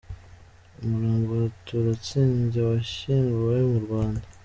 Umurambo wa Turatsinze washyinguwe mu Rwanda